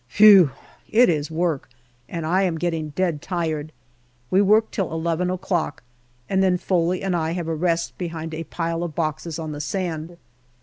Phew ! it is work, and I am getting dead tired. We work till eleven o'clock and then Foley and I have a rest behind a pile of boxes on the sand.